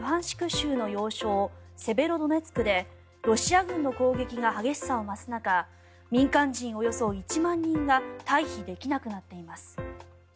州の要衝セベロドネツクでロシア軍の攻撃が激しさを増す中民間人およそ１万人が退避できなくなっています。